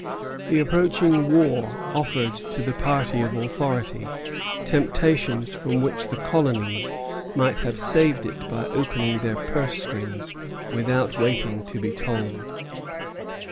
The approaching war offered to the party of authority temptations from which the colonies might have saved it by opening their purse strings without waiting to be told.